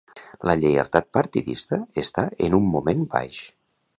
La lleialtat partidista està en un moment baix.